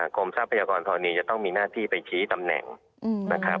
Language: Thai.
กรมทรัพยากรสอนิจะต้องมีหน้าที่ไปขี้ตำแหน่ง